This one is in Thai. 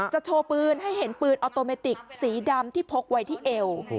โชว์ปืนให้เห็นปืนออโตเมติกสีดำที่พกไว้ที่เอว